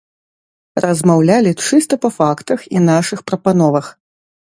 Размаўлялі чыста па фактах і нашых прапановах.